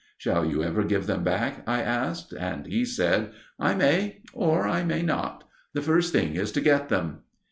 "Shall you ever give them back?" I asked. And he said: "I may, or I may not. The first thing is to get them."